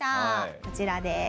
こちらです。